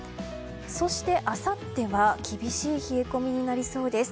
そして、あさっては厳しい冷え込みになりそうです。